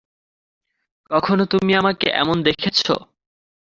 কখনও তুমি আমাকে এমন দেখেছো?